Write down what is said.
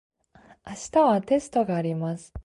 明日はテストがあります。